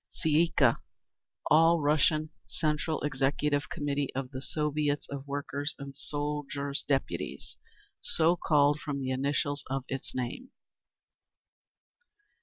Tsay ee kah. All Russian Central Executive Committee of the Soviets of Workers' and Soldiers' Deputies. So called from the initials of its name.